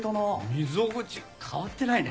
溝口変わってないね。